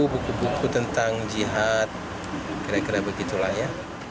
buku buku tentang jihad kira kira begitu lah ya